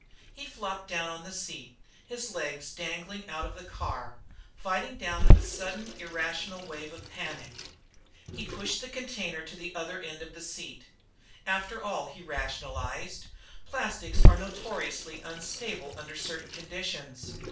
He flopped down on the seat, his legs dangling out of the car, fighting down a sudden irrational wave of panic. He pushed the container to the other end of the seat. After all, he rationalized, _plastics are notoriously unstable under certain conditions.